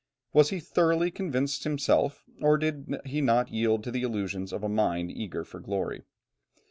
Was he thoroughly convinced himself, or did he not yield to the illusions of a mind eager for glory?